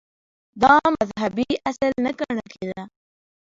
• دا مذهبي اصل نه ګڼل کېده.